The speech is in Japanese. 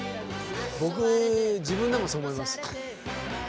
僕自分でもそう思います。